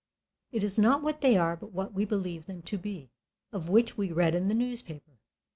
It is not what they are, but what we believe them to be, of which we read in the newspaper.